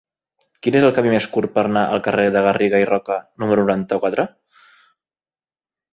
Quin és el camí més curt per anar al carrer de Garriga i Roca número noranta-quatre?